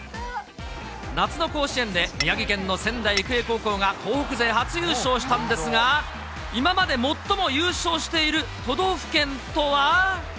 夏の甲子園で、宮城県の仙台育英高校が東北勢初優勝したんですが、今まで最も優勝している都道府県とは？